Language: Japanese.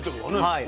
はい。